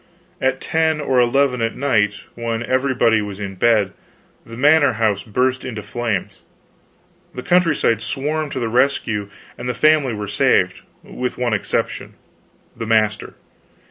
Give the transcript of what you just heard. At ten or eleven at night, when everybody was in bed, the manor house burst into flames. The country side swarmed to the rescue, and the family were saved, with one exception, the master.